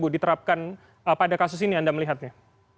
diterapkan pada kasus ini anda melihatnya